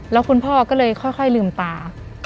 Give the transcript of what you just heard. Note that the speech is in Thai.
แล้วคุณพ่อก็เลยค่อยลืมตา